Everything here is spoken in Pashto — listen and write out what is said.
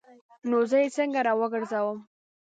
نو زه یې څنګه راوګرځوم؟